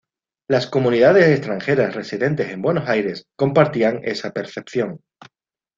Las comunidades extranjeras residentes en Buenos Aires compartían esa percepción.